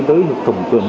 tới hợp tổng cường